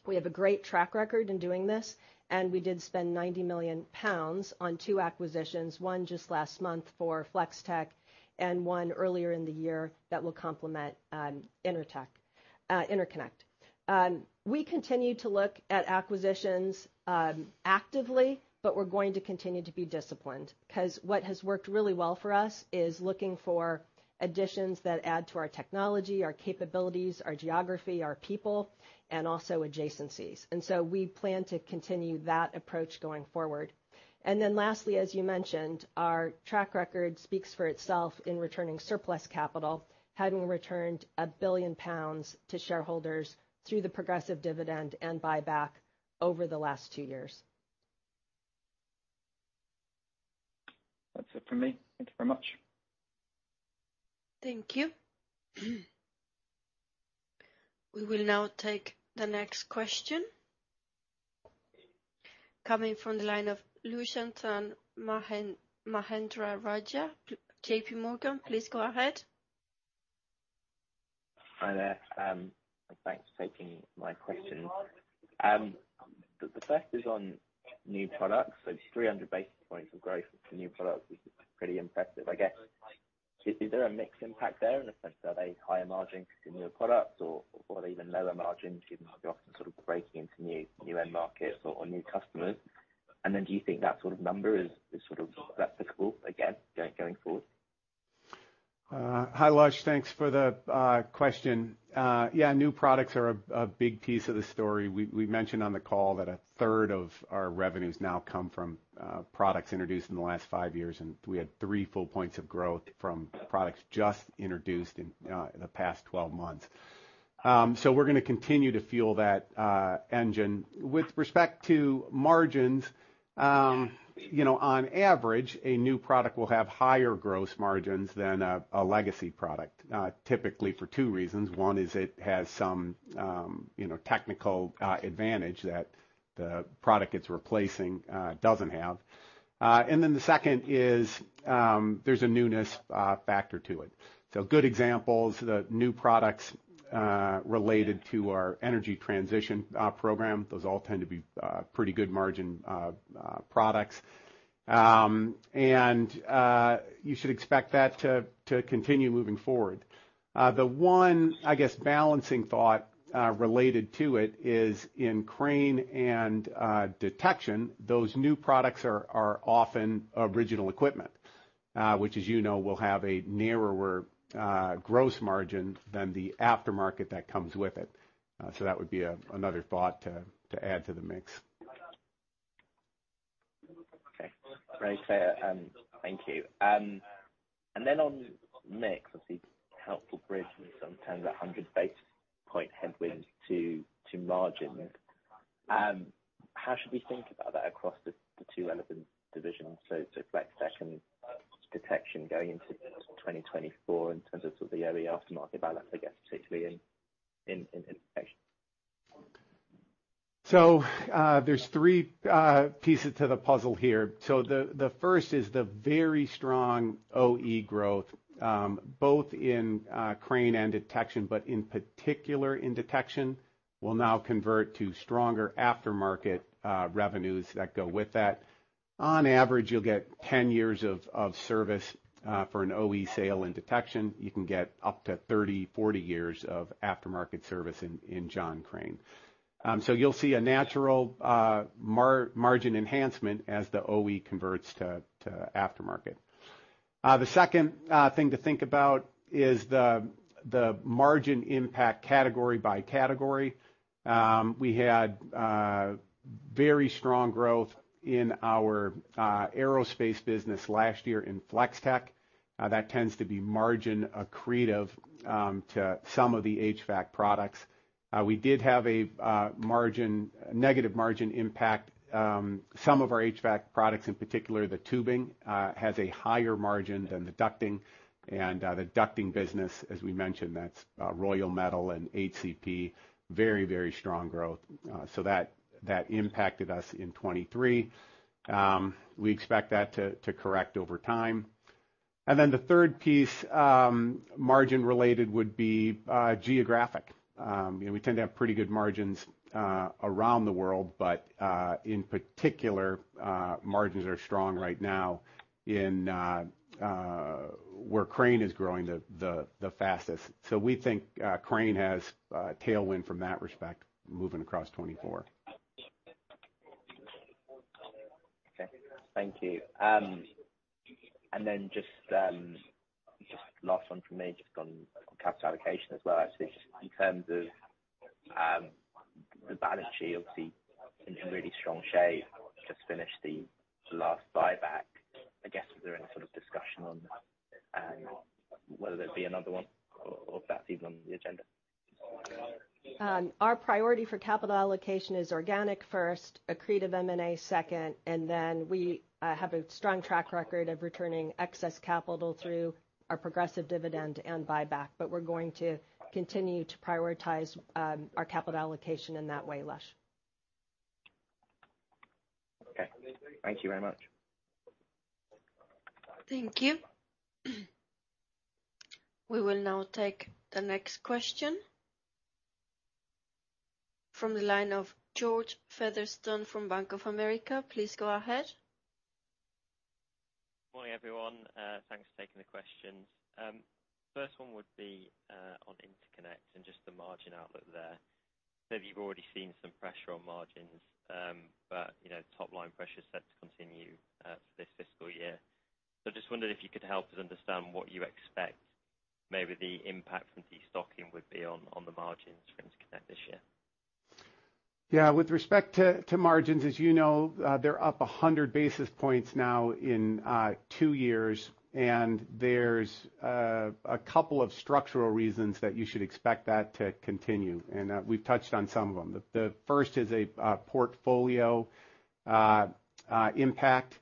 We have a great track record in doing this, and we did spend 90 million pounds on 2 acquisitions, 1 just last month for Flex-Tek and 1 earlier in the year that will complement Interconnect. We continue to look at acquisitions actively, but we're going to continue to be disciplined, 'cause what has worked really well for us is looking for additions that add to our technology, our capabilities, our geography, our people, and also adjacencies. And so we plan to continue that approach going forward. And then lastly, as you mentioned, our track record speaks for itself in returning surplus capital, having returned 1 billion pounds to shareholders through the progressive dividend and buyback over the last 2 years. That's it for me. Thank you very much. Thank you. We will now take the next question. Coming from the line of Lushanthan Mahendrarajah, JPMorgan, please go ahead. Hi there, and thanks for taking my question. The first is on new products. So it's 300 basis points of growth for new products, which is pretty impressive, I guess. Is there a mixed impact there in the sense, are they higher margin in new products or even lower margin, given you're often sort of breaking into new end markets or new customers? And then do you think that sort of number is sort of applicable again, going forward? Hi, Lush. Thanks for the question. Yeah, new products are a big piece of the story. We mentioned on the call that a third of our revenues now come from products introduced in the last five years, and we had three full points of growth from products just introduced in the past 12 months. So we're gonna continue to fuel that engine. With respect to margins, you know, on average, a new product will have higher gross margins than a legacy product, typically for two reasons. One is it has some technical advantage that the product it's replacing doesn't have. And then the second is, there's a newness factor to it. So good examples, the new products related to our energy transition program. Those all tend to be pretty good margin products. You should expect that to continue moving forward. The one, I guess, balancing thought related to it is in Crane and detection, those new products are often original equipment, which, as you know, will have a narrower gross margin than the aftermarket that comes with it. That would be another thought to add to the mix. Okay. Very fair, thank you. And then on mix, obviously, helpful bridge in some terms, 100 basis points headwind to margin. How should we think about that across the two relevant divisions, so Flex-Tek and detection, going into 2024 in terms of sort of the early aftermarket balance, I guess, particularly in detection? So, there's three pieces to the puzzle here. The first is the very strong OE growth, both in Crane and detection, but in particular in detection, will now convert to stronger aftermarket revenues that go with that. On average, you'll get 10 years of service for an OE sale in detection. You can get up to 30, 40 years of aftermarket service in John Crane. So you'll see a natural margin enhancement as the OE converts to aftermarket. The second thing to think about is the margin impact category by category. We had very strong growth in our aerospace business last year in Flex-Tek. That tends to be margin accretive to some of the HVAC products. We did have a margin-negative margin impact, some of our HVAC products, in particular, the tubing, has a higher margin than the ducting. And the ducting business, as we mentioned, that's Royal Metal and HCP, very, very strong growth. So that impacted us in 2023. We expect that to correct over time. And then the third piece, margin-related, would be geographic. You know, we tend to have pretty good margins around the world, but in particular, margins are strong right now in where Crane is growing the fastest. So we think Crane has a tailwind from that respect moving across 2024. Okay, thank you. And then just last one from me, just on capital allocation as well. I see just in terms of the balance sheet, obviously in really strong shape, just finished the last buyback. I guess, is there any sort of discussion on whether there be another one or if that's even on the agenda? Our priority for capital allocation is organic first, accretive M&A second, and then we have a strong track record of returning excess capital through our progressive dividend and buyback. But we're going to continue to prioritize our capital allocation in that way, Lush. Okay. Thank you very much. Thank you. We will now take the next question from the line of George Featherstone from Bank of America. Please go ahead. Morning, everyone. Thanks for taking the questions. First one would be on Interconnect and just the margin outlook there. Maybe you've already seen some pressure on margins, but, you know, top line pressure is set to continue for this fiscal year. So just wondered if you could help us understand what you expect maybe the impact from destocking would be on the margins for Interconnect this year. Yeah. With respect to margins, as you know, they're up 100 basis points now in two years, and there's a couple of structural reasons that you should expect that to continue, and we've touched on some of them. The first is a portfolio impact.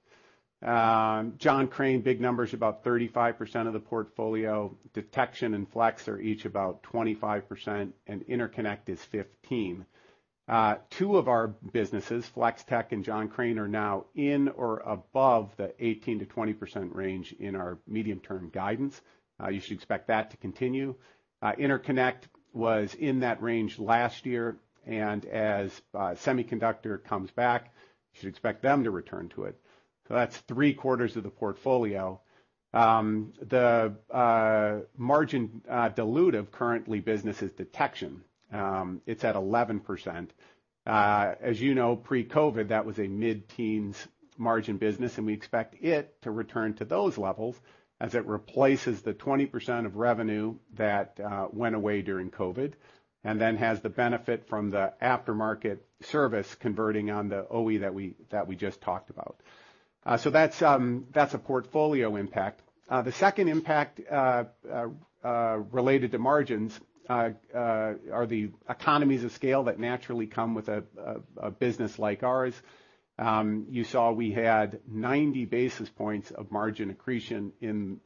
John Crane, big numbers, about 35% of the portfolio. Detection and Flex-Tek are each about 25%, and Interconnect is 15%. Two of our businesses, Flex-Tek and John Crane, are now in or above the 18%-20% range in our medium-term guidance. You should expect that to continue. Interconnect was in that range last year, and as semiconductor comes back, you should expect them to return to it. So that's three quarters of the portfolio. The margin dilutive currently business is Detection. It's at 11%. As you know, pre-COVID, that was a mid-teens margin business, and we expect it to return to those levels as it replaces the 20% of revenue that went away during COVID, and then has the benefit from the aftermarket service converting on the OE that we just talked about. So that's a portfolio impact. The second impact related to margins are the economies of scale that naturally come with a business like ours. You saw we had 90 basis points of margin accretion in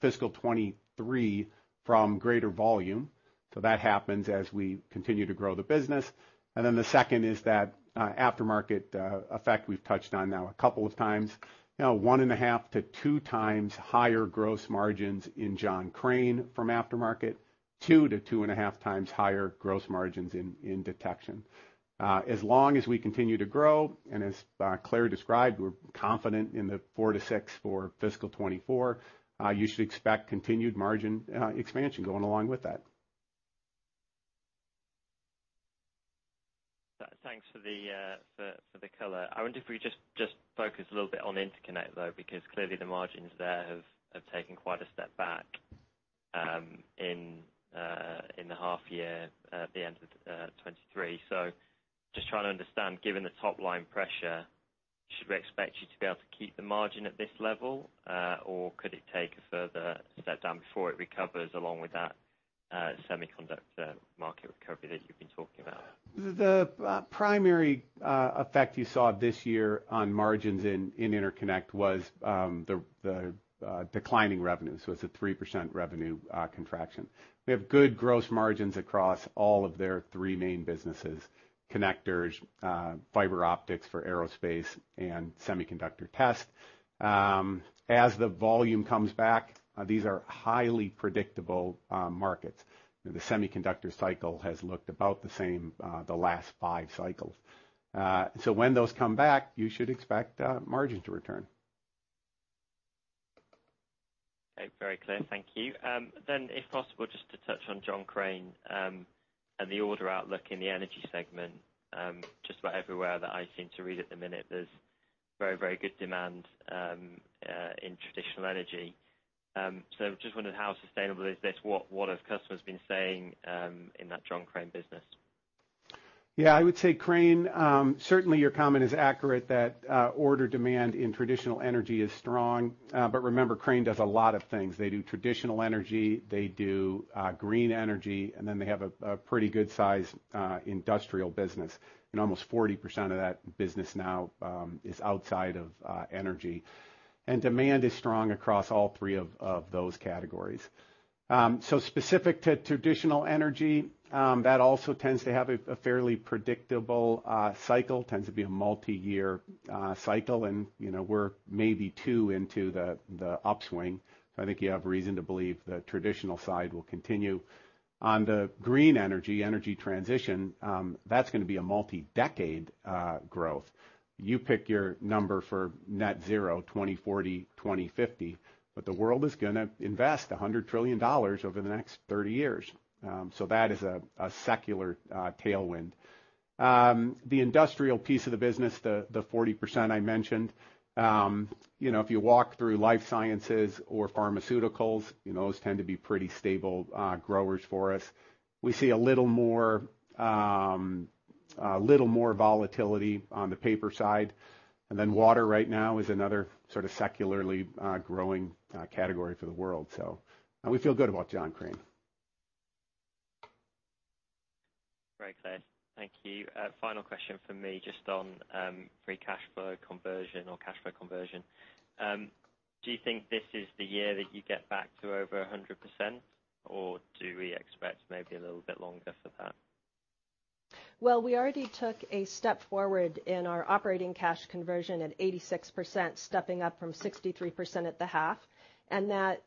fiscal 2023 from greater volume. So that happens as we continue to grow the business. And then the second is that aftermarket effect we've touched on now a couple of times. You know, 1.5-2 times higher gross margins in John Crane from aftermarket, 2-2.5 times higher gross margins in Detection. As long as we continue to grow, and as Clare described, we're confident in the 4-6 for fiscal 2024, you should expect continued margin expansion going along with that. Thanks for the color. I wonder if we just focus a little bit on Interconnect, though, because clearly the margins there have taken quite a step back in the half year at the end of 2023. So just trying to understand, given the top-line pressure, should we expect you to be able to keep the margin at this level, or could it take a further step down before it recovers along with that semiconductor market recovery that you've been talking about? The primary effect you saw this year on margins in Interconnect was the declining revenue, so it's a 3% revenue contraction. We have good gross margins across all of their three main businesses: connectors, fiber optics for aerospace, and semiconductor test. As the volume comes back, these are highly predictable markets. The semiconductor cycle has looked about the same, the last five cycles. So when those come back, you should expect margin to return. Okay. Very clear. Thank you. Then if possible, just to touch on John Crane, and the order outlook in the energy segment. Just about everywhere that I seem to read at the minute, there's very, very good demand, in traditional energy. So just wondering how sustainable is this? What, what have customers been saying, in that John Crane business? Yeah, I would say Crane, certainly your comment is accurate that, order demand in traditional energy is strong. But remember, Crane does a lot of things. They do traditional energy, they do, green energy, and then they have a, a pretty good size, industrial business, and almost 40% of that business now, is outside of, energy. And demand is strong across all three of, of those categories. So specific to traditional energy, that also tends to have a, a fairly predictable, cycle, tends to be a multiyear, cycle, and, you know, we're maybe two into the, the upswing. So I think you have reason to believe the traditional side will continue. On the green energy, energy transition, that's gonna be a multi-decade, growth. You pick your number for net zero, 2040, 2050, but the world is gonna invest $100 trillion over the next 30 years. So that is a secular tailwind. The industrial piece of the business, the 40% I mentioned, you know, if you walk through life sciences or pharmaceuticals, you know, those tend to be pretty stable growers for us. We see a little more, a little more volatility on the paper side, and then water right now is another sort of secularly growing category for the world. So we feel good about John Crane. Very clear. Thank you. Final question for me, just on, free cash flow conversion or cash flow conversion. Do you think this is the year that you get back to over 100%, or do we expect maybe a little bit longer for that? Well, we already took a step forward in our operating cash conversion at 86%, stepping up from 63% at the half, and that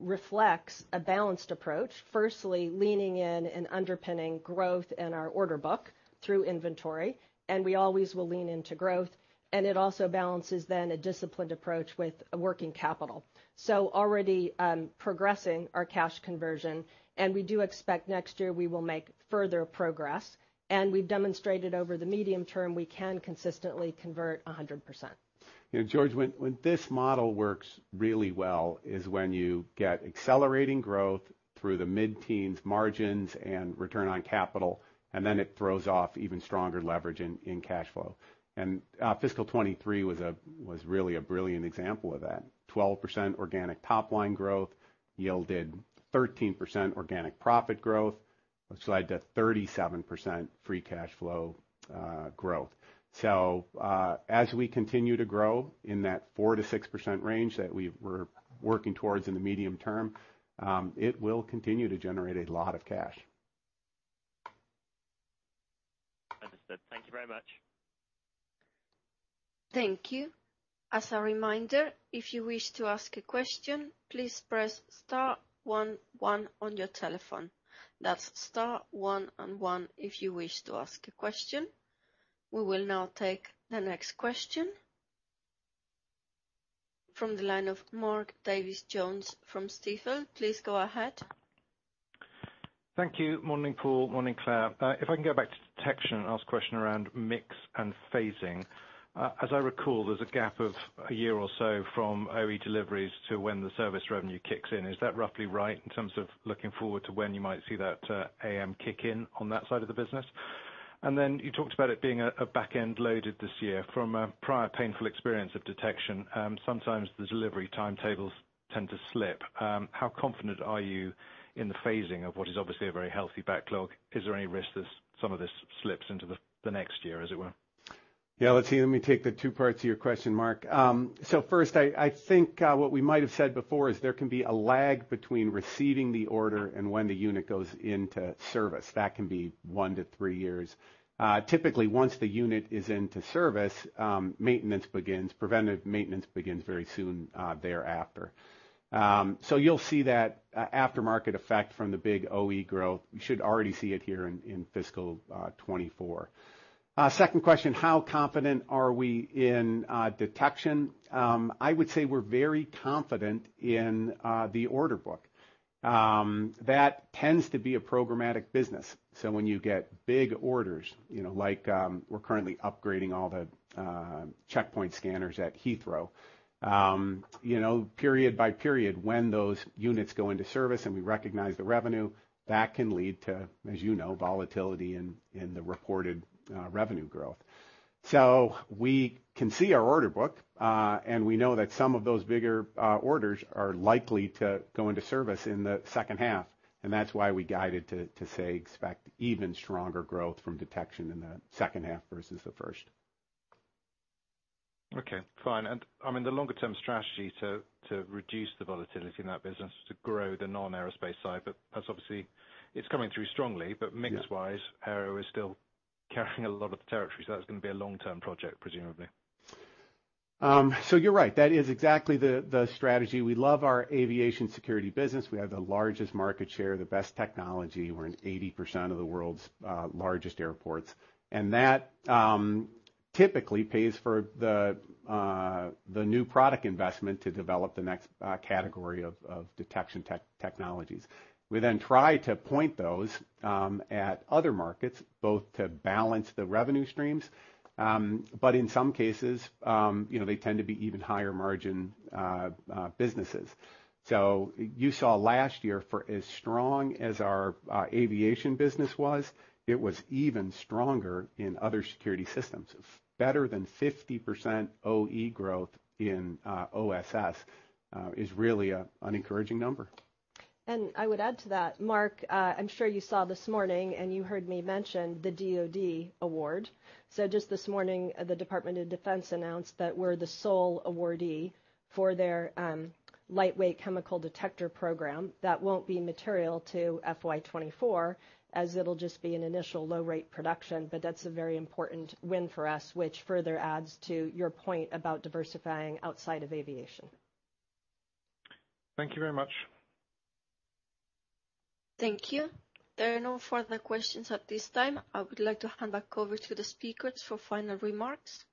reflects a balanced approach. Firstly, leaning in and underpinning growth in our order book through inventory, and we always will lean into growth, and it also balances then a disciplined approach with working capital. So already, progressing our cash conversion, and we do expect next year we will make further progress, and we've demonstrated over the medium term, we can consistently convert 100%. You know, George, when this model works really well, is when you get accelerating growth through the mid-teens margins and return on capital, and then it throws off even stronger leverage in cash flow. And fiscal 2023 was really a brilliant example of that. 12% organic top-line growth yielded 13% organic profit growth, which led to 37% free cash flow growth. So, as we continue to grow in that 4%-6% range that we're working towards in the medium term, it will continue to generate a lot of cash. Understood. Thank you very much. Thank you. As a reminder, if you wish to ask a question, please press star one, one on your telephone. That's star one and one if you wish to ask a question. We will now take the next question. From the line of Mark Davies Jones from Stifel. Please go ahead. Thank you. Morning, Paul. Morning, Clare. If I can go back to detection and ask a question around mix and phasing. As I recall, there's a gap of a year or so from OE deliveries to when the service revenue kicks in. Is that roughly right in terms of looking forward to when you might see that, AM kick in on that side of the business? And then you talked about it being a back-end loaded this year. From a prior painful experience of detection, sometimes the delivery timetables tend to slip. How confident are you in the phasing of what is obviously a very healthy backlog? Is there any risk that some of this slips into the next year, as it were? Yeah, let's see. Let me take the two parts to your question, Mark. So first, I think what we might have said before is there can be a lag between receiving the order and when the unit goes into service. That can be 1-3 years. Typically, once the unit is into service, maintenance begins, preventative maintenance begins very soon thereafter. So you'll see that aftermarket effect from the big OE growth. You should already see it here in fiscal 2024. Second question: How confident are we in detection? I would say we're very confident in the order book. That tends to be a programmatic business. So when you get big orders, you know, like, we're currently upgrading all the checkpoint scanners at Heathrow, you know, period by period, when those units go into service and we recognize the revenue, that can lead to, as you know, volatility in the reported revenue growth. So we can see our order book, and we know that some of those bigger orders are likely to go into service in the second half, and that's why we guided to say, expect even stronger growth from detection in the second half versus the first. Okay, fine. I mean, the longer-term strategy to reduce the volatility in that business is to grow the non-aerospace side, but that's obviously... It's coming through strongly- Yeah -but mix wise, aero is still carrying a lot of the territory, so that's going to be a long-term project, presumably. So you're right, that is exactly the strategy. We love our aviation security business. We have the largest market share, the best technology. We're in 80% of the world's largest airports. And that typically pays for the new product investment to develop the next category of detection technologies. We then try to point those at other markets, both to balance the revenue streams, but in some cases, you know, they tend to be even higher margin businesses. So you saw last year, for as strong as our aviation business was, it was even stronger in other security systems. Better than 50% OE growth in OSS is really an encouraging number. And I would add to that, Mark, I'm sure you saw this morning, and you heard me mention the DoD award. So just this morning, the Department of Defense announced that we're the sole awardee for their, Lightweight Chemical Detector program. That won't be material to FY 2024, as it'll just be an initial low-rate production, but that's a very important win for us, which further adds to your point about diversifying outside of aviation. Thank you very much. Thank you. There are no further questions at this time. I would like to hand back over to the speakers for final remarks.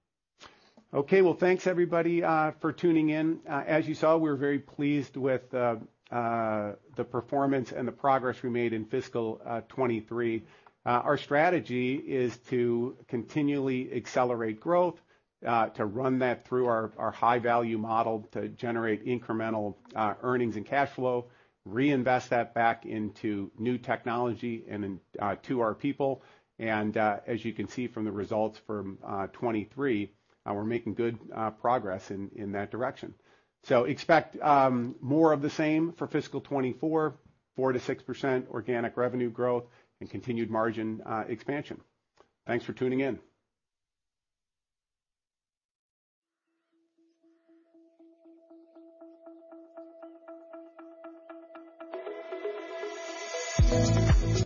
Okay. Well, thanks, everybody, for tuning in. As you saw, we're very pleased with the performance and the progress we made in fiscal 2023. Our strategy is to continually accelerate growth, to run that through our high value model, to generate incremental earnings and cash flow, reinvest that back into new technology and then to our people, and as you can see from the results from 2023, we're making good progress in that direction. So expect more of the same for fiscal 2024, 4%-6% organic revenue growth and continued margin expansion. Thanks for tuning in.